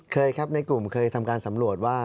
เคยครับในกลุ่มเคยทำการสำรวจว่า